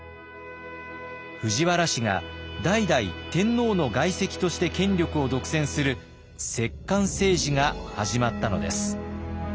藤原氏が代々天皇の外戚として権力を独占する摂関政治が始まったのです。